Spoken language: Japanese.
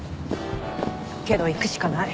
けど行くしかない。